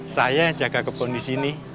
saya jaga kebun di sini